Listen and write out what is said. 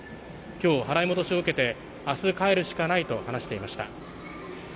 きょう払い戻しを受けてあす帰るしかないと話していました。